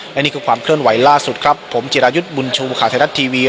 และนี่คือความเคลื่อนไหวล่าสุดครับผมจิรายุทธ์บุญชูข่าวไทยรัฐทีวี